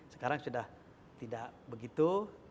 sekarang sudah tidak begitu